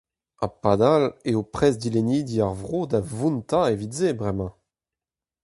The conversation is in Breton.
Ha padal eo prest dilennidi ar vro da vountañ evit se bremañ.